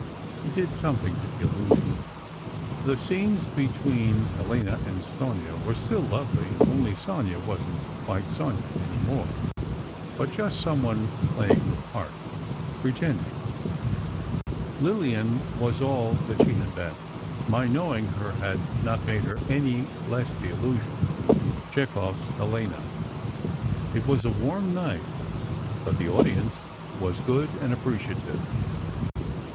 It did something to the illusion. The scenes between Helena and Sonia were still lovely, only Sonia wasn't quite Sonia any more, but just someone playing her part, pretending. Lillian was all that she had been—my knowing her had not made her any less the illusion, Chekhov's Helena. It was a warm night, but the audience was good—and appreciative.